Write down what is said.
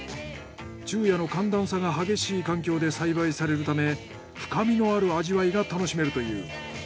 昼夜の寒暖差が激しい環境で栽培されるため深みのある味わいが楽しめるという。